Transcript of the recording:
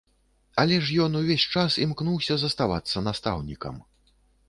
Але ж ён увесь час імкнуўся заставацца настаўнікам.